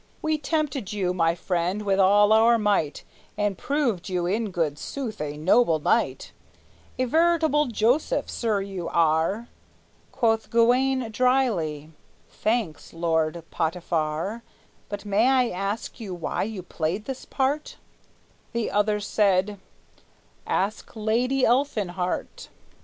We tempted you, my friend, with all our might, And proved you in good sooth a noble knight; A veritable Joseph, sir, you are!" Quoth Gawayne drily, "Thanks, Lord Potiphar! But may I ask you why you played this part?" The other said: "Ask Lady Elfinhart!"